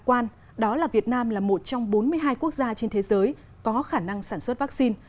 quan đó là việt nam là một trong bốn mươi hai quốc gia trên thế giới có khả năng sản xuất vaccine